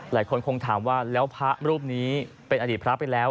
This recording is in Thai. หลายคนคงถามว่าแล้วพระรูปนี้เป็นอดีตพระไปแล้ว